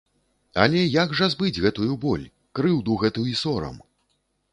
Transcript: Але як жа збыць гэтую боль, крыўду гэту і сорам?